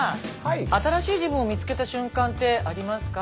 新しい自分を見つけた瞬間ってありますか？